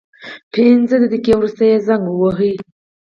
پنځه دقیقې وروسته یې زنګ وواهه.